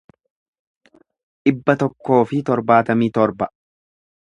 dhibba tokkoo fi torbaatamii torba